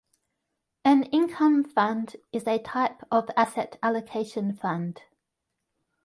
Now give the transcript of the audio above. An income fund is a type of asset allocation fund.